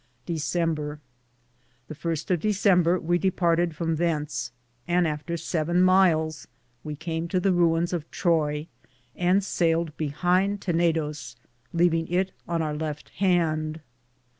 December. The firste of December we departed from thence, and after 7 myles we came to the ruins of Troy, and sailed behinde Tennidose, leavinge it on our Lefte hande.